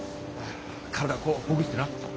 体をこうほぐしてな。